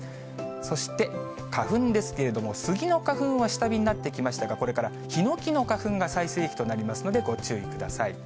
そして花粉ですけれども、スギの花粉は下火になってきましたが、これからヒノキの花粉が最盛期となりますので、ご注意ください。